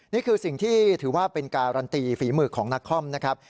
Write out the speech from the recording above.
นี่คือสิ่งที่ถือว่าเป็นการันตีฝีมือของนักคอมนะครับ